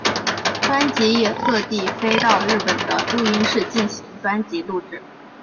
专辑也特地飞到日本的录音室进行专辑录制。